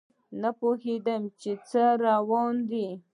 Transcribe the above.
نه پوهیدم چې څه روان دي